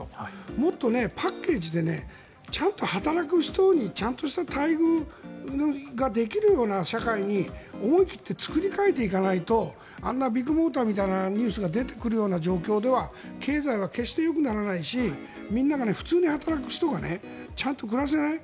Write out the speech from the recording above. もっとパッケージでちゃんと働く人にちゃんとした待遇ができるような社会に思い切って作り替えていかないとあんなビッグモーターみたいなニュースが出てくるような状況では経済は決してよくならないしみんなが、普通に働く人がちゃんと暮らせない。